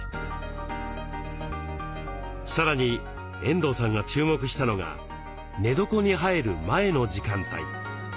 さらに遠藤さんが注目したのが寝床に入る前の時間帯。